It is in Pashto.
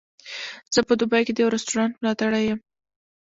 زه په دوبۍ کې د یوه رستورانت ملاتړی یم.